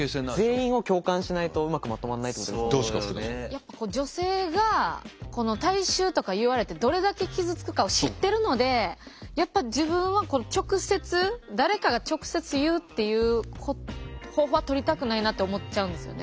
やっぱ女性が体臭とか言われてどれだけ傷つくかを知ってるのでやっぱ自分は直接誰かが直接言うっていう方法はとりたくないなって思っちゃうんですよね。